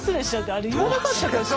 あれ言わなかったっけ？